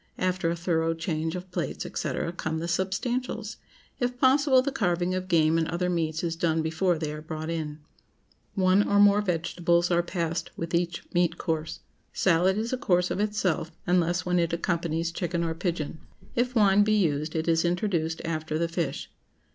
After a thorough change of plates, &c., come the substantials. If possible, the carving of game and other meats is done before they are brought in. One or more vegetables are passed with each meat course. Salad is a course of itself, unless when it accompanies chicken or pigeon. If wine be used, it is introduced after the fish.